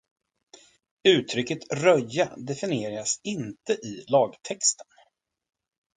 Uttrycket röja definieras inte i lagtexten.